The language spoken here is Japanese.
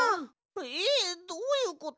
えっどういうこと？